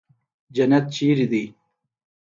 جنت چېرته دى.